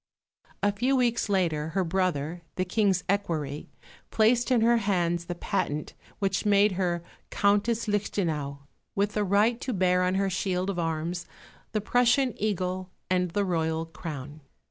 A few weeks later her brother, the King's equerry, placed in her hands the patent which made her Countess Lichtenau, with the right to bear on her shield of arms the Prussian eagle and the Royal crown.